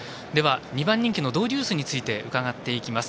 ２番人気のドウデュースについて伺っていきます。